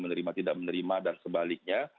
menerima tidak menerima dan sebaliknya